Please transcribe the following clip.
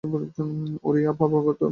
Odia Bhagavata